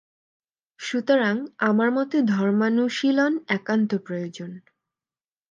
সুতরাং আমার মতে ধর্মানুশীলন একান্ত প্রয়োজন।